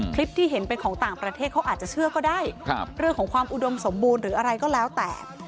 คลิปที่เห็นเป็นของต่างประเทศเขาอาจจะเชื่อก็ได้เรื่องของความอุดมสมบูรณ์หรืออะไรก็แล้วแต่